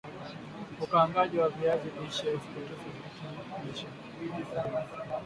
Ukaangaji wa viazi lishe usiopoteza virutubisho